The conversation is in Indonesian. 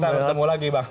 kita bertemu lagi bang